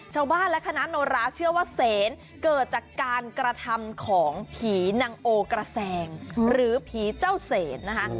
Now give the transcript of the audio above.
ชาวบ้านและคณะโนราเชื่อว่าเสนเกิดจากการกระทำของผีนางโอกระแซงหรือผีเจ้าเสนนะคะ